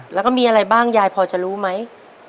แล้วก็มีอะไรบ้างยายพอจะรู้ไหม